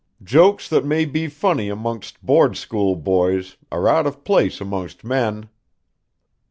Jokes that may be funny amongst board school boys are out of place amongst men.